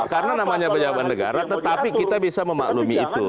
karena namanya pejabat negara tetapi kita bisa memaklumi itu